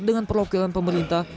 dengan perlokilan pemerintah